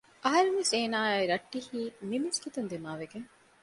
އަހަރެން ވެސް އޭނާއާއި ރައްޓެހީ މި މިސްކިތުން ދިމާ ވެގެން